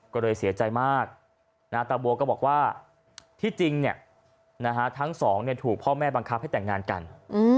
ก็เลยเสียใจมากนาตาบัวก็บอกว่าที่จริงเนี่ยนะฮะทั้งสองเนี่ยถูกพ่อแม่บังคับให้แต่งงานกันอืม